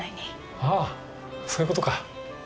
ああそういう事か。